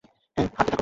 হুম, হাঁটতে পারবো।